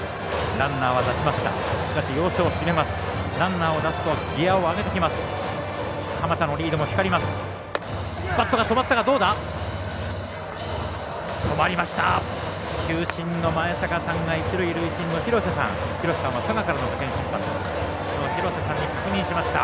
ランナーは出しました。